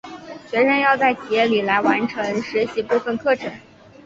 学生要在企业里来完成实习部分课程。